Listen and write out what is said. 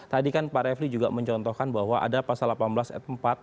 tadi kan pak refli juga mencontohkan bahwa ada pasal delapan belas ayat empat